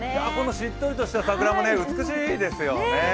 しっとりとした桜も美しいですよね。